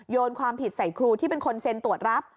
โยนความผิดใส่ครูที่เป็นคนเซ็นตรวจรับ